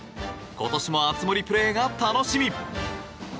今年も熱盛プレーが楽しみ。